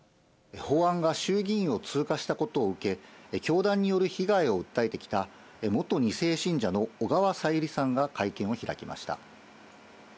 法案が衆議院を通過したことを受け、教団による被害を訴えてきた元２世信者の小川さゆりさんが会見を開きました。